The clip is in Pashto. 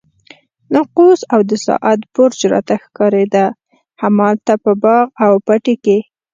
ناقوس او د ساعت برج راته ښکارېده، همالته په باغ او پټي کې.